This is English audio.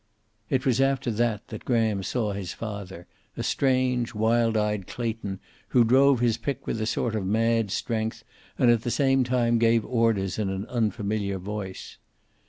It was after that that Graham saw his father, a strange, wild eyed Clayton who drove his pick with a sort of mad strength, and at the same time gave orders in an unfamiliar voice.